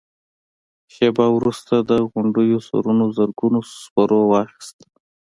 شېبه وروسته د غونډيو سرونو زرګونو سپرو واخيست.